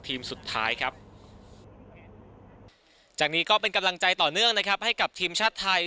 สุดท้ายครับจากนี้ก็เป็นกำลังใจต่อเนื่องนะครับให้กับทีมชาติไทย